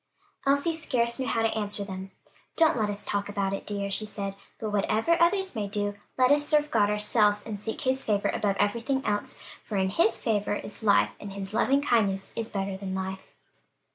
Elsie scarce knew how to answer them. "Don't let us talk about it, dears," she said: "but whatever others may do, let us serve God ourselves and seek his favor above everything else; for 'in his favor is life' and his loving kindness is better than life."